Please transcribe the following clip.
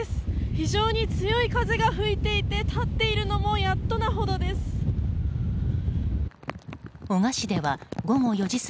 非常に強い風が吹いていて立っているのもやっとなほどです。